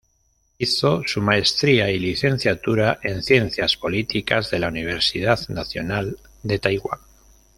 Hizo su maestría y licenciatura en ciencias políticas de la Universidad Nacional de Taiwán.